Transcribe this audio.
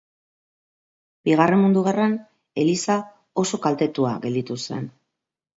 Bigarren Mundu Gerran eliza oso kaltetua gelditu zen.